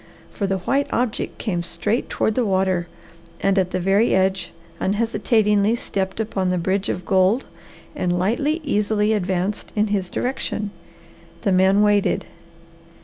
For the white object came straight toward the water and at the very edge unhesitatingly stepped upon the bridge of gold and lightly, easily advanced in his direction. The man waited.